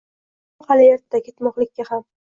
Ammo hali erta ketmoqlikka ham.